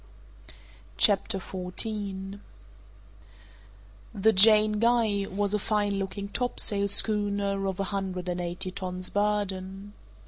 CHAPTER 14 The Jane Guy was a fine looking topsail schooner of a hundred and eighty tons burden.